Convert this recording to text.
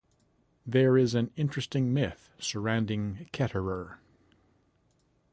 There is an interesting myth surrounding Ketterer.